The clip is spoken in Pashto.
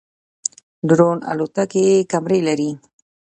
ډرون الوتکې کمرې لري